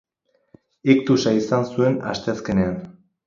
Iktusa izan zuen asteazkenean.